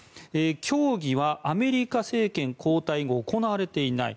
協議はアメリカ政権交代後行われていない。